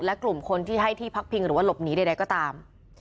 และกลุ่มคนที่ให้ที่พักพิงหรือว่าหลบหนีใดก็ตาม